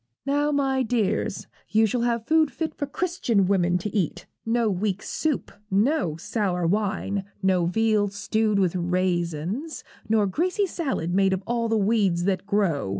'Now, my dears, you shall have food fit for Christian women to eat. No weak soup, no sour wine, no veal stewed with raisins, nor greasy salad made of all the weeds that grow.